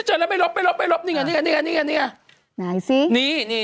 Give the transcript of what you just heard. เจอแล้วไปลบนี่ไง